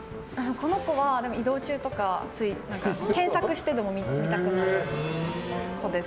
この子は、移動中とかつい検索してでも見たくなる子です。